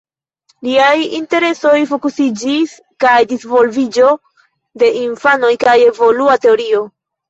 Liaj interesoj fokusiĝis al disvolviĝo de infanoj kaj evolua teorio.